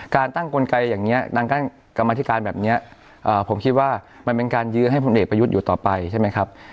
การตั้งกลไกอย่างนี้ดังกรรมธิการแบบนี้ผมคิดว่ามันเป็นการยื้อให้ผลเอกประยุทธ์อยู่ต่อไปใช่ไหมครับ